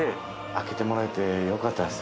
開けてもらえてよかったです？